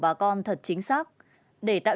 bà con thật chính xác để tạo